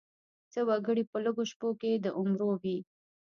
څه وګړي په لږو شپو کې د عمرو وي.